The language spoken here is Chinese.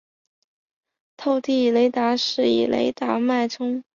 透地雷达是以雷达脉冲波探测地表以下状况并的仪器。